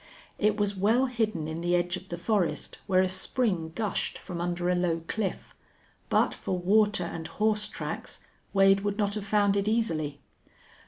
It was well hidden in the edge of the forest, where a spring gushed from under a low cliff. But for water and horse tracks Wade would not have found it easily.